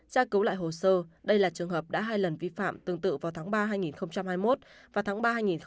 tra cứu lại hồ sơ đây là trường hợp đã hai lần vi phạm tương tự vào tháng ba hai nghìn hai mươi một và tháng ba hai nghìn hai mươi hai